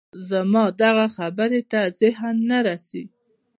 زما دغه خبرې ته ذهن نه رسېږي